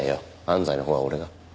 安西のほうは俺が。